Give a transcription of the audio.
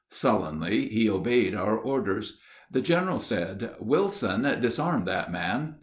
Sullenly he obeyed our orders. The general said, "Wilson, disarm that man."